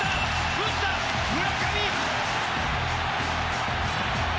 打った村上！